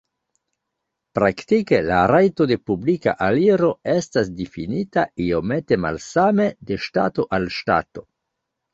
Praktike la rajto de publika aliro estas difinita iomete malsame de ŝtato al ŝtato.